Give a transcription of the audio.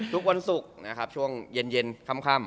ทุกวันศุกร์ช่วงเย็นค่ำ